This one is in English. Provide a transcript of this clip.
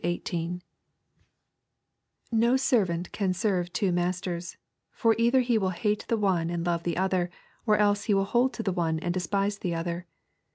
13—18. 13 No servant cai *3rve two mas ters : for either he will hate the one. and love the other : or else he will hold to the one, and despise the other.